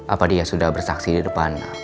apa dia sudah bersaksi di depan